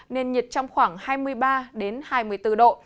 nên nhiệt trong khoảng hai mươi ba đến hai mươi bốn độ